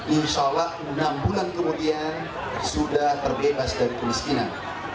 insya allah enam bulan kemudian sudah terbebas dari kemiskinan